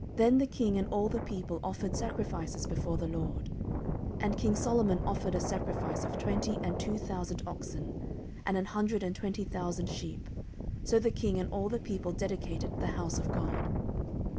14:007:004 Then the king and all the people offered sacrifices before the LORD. 14:007:005 And king Solomon offered a sacrifice of twenty and two thousand oxen, and an hundred and twenty thousand sheep: so the king and all the people dedicated the house of God.